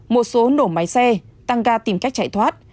một số nổ máy xe tăng ga tìm cách chạy thoát